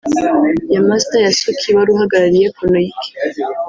Yamasta Yasuki wari uhagarariye Konoike